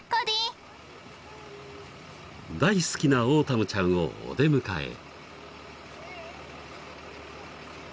［大好きなオータムちゃんをお出迎え］